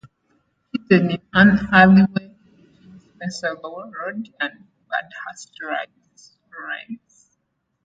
Hidden in an alleyway between Spencer Road and Birdhurst Rise.